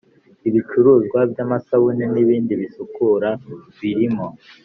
Ibicuruzwa by amasabune n ibindi bisukura birimo